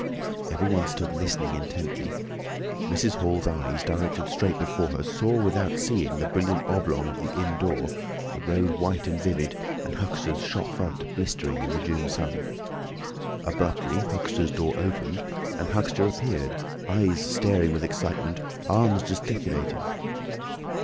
Everyone stood listening intently. Mrs. Hall's eyes, directed straight before her, saw without seeing the brilliant oblong of the inn door, the road white and vivid, and Huxter's shop front blistering in the June sun. Abruptly Huxter's door opened and Huxter appeared, eyes staring with excitement, arms gesticulating.